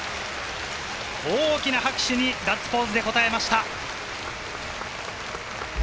大きな拍手にガッツポーズでこたえました。